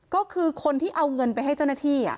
ก็คือคนที่เอาเงินไปให้เจ้าหน้าที่